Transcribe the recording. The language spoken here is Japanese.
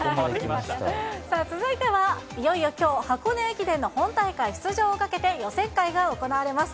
続いてはいよいよきょう、箱根駅伝の本大会出場をかけて、予選会が行われます。